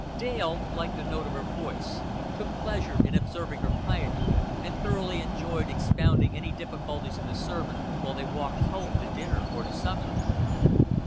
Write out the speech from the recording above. Dale liked the note of her voice, took pleasure in observing her piety, and thoroughly enjoyed expounding any difficulties in the sermon while they walked home to dinner or to supper.